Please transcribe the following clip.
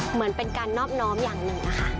เหมือนเป็นการนอบน้อมอย่างหนึ่งนะคะ